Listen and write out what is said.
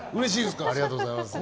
ありがとうございます。